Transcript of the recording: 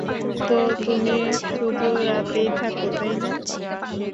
তো, তুমি শুধু রাতেই থাকো, তাই না?